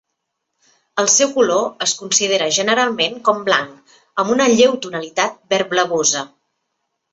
El seu color es considera generalment com blanc amb una lleu tonalitat verd-blavosa.